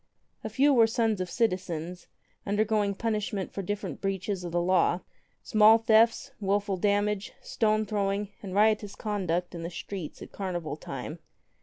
A few were sons of citizens, undergoing punishment for different breaches of the law — small thefts, wilful damage, stone throwing, and riotous conduct in the streets at carnival time.